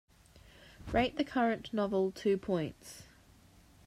Rate the current novel two points